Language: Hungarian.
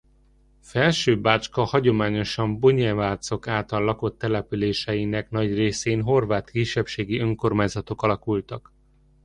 Felső-Bácska hagyományosan bunyevácok által lakott településeinek nagy részén horvát kisebbségi önkormányzatok alakultak.